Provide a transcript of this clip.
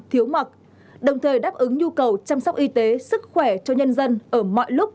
thiếu mặt đồng thời đáp ứng nhu cầu chăm sóc y tế sức khỏe cho nhân dân ở mọi lúc